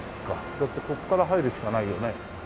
だってここから入るしかないよね。